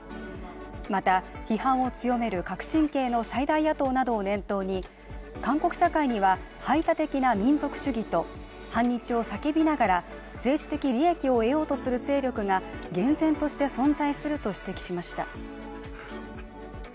また批判を強める革新系の最大野党などを念頭に韓国社会には排他的な民族主義と反日を叫びながら、政治的利益を得ようとする勢力が厳然として存在すると指摘しました。